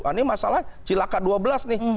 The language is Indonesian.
ini masalah cilaka dua belas nih